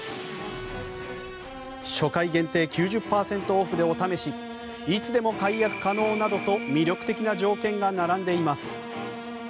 初回限定９０％オフでお試しいつでも解約可能などと魅力的な条件が並んでいます。